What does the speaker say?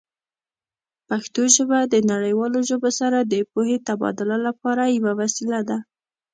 پښتو ژبه د نړیوالو ژبو سره د پوهې تبادله لپاره یوه وسیله ده.